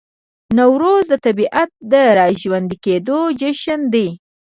نوروز د طبیعت د راژوندي کیدو جشن دی.